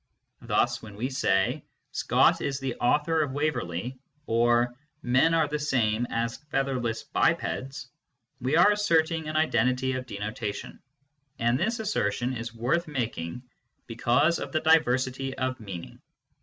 Thus when we say " Scott is the author of Waverley " or " men are the same as featherless bipeds," we are assert ing an identity of denotation, and this assertion is wortr making because of the diversity, of meaning.